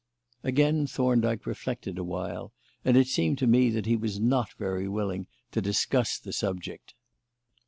Again Thorndyke reflected awhile, and it seemed to me that he was not very willing to discuss the subject.